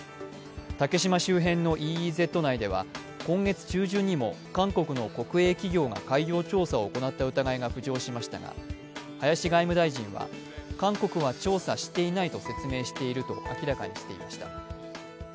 竹島周辺のＥＥＺ内では、今月中旬にも韓国の国営企業が海洋調査を行った疑いが浮上しましたが林外務大臣は韓国は調査していないと説明していると明らかにしていました。